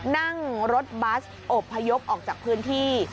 นั่งรถบัสอบพยพออกจากพื้นที่